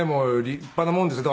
立派なもんです。